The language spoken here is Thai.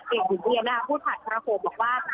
น่าจะเป็นการนำถือเอก่ลุนเองนะคะพูดถือหนาวผมบอกว่า